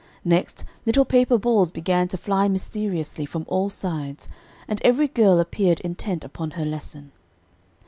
Next, little paper balls began to fly mysteriously from all sides, and every girl appeared intent upon her lesson.